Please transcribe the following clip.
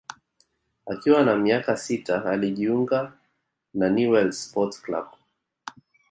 Akiwa na miaka sita alijinga na Newells sport club